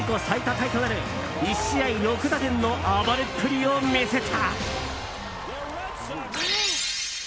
タイとなる１試合６打点の暴れっぷりを見せた！